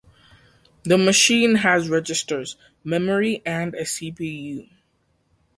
The machine has registers, memory and a cpu.